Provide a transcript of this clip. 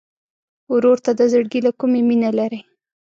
ورور ته د زړګي له کومي مینه لرې.